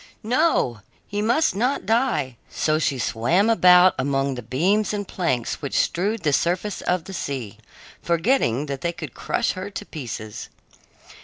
No, he must not die! So she swam about among the beams and planks which strewed the surface of the sea, forgetting that they could crush her to pieces.